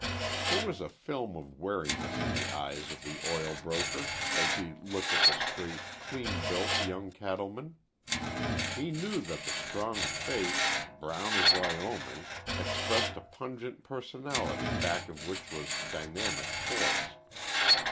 There was a film of wariness in the eyes of the oil broker as he looked at the straight, clean built young cattleman. He knew that the strong face, brown as Wyoming, expressed a pungent personality back of which was dynamic force.